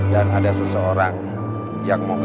jangan lupa untuk berikan duit